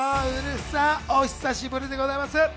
ウルフさん、お久しぶりでございます。